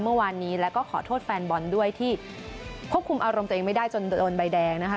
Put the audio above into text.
เมื่อวานนี้แล้วก็ขอโทษแฟนบอลด้วยที่ควบคุมอารมณ์ตัวเองไม่ได้จนโดนใบแดงนะคะ